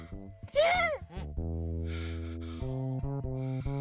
うん。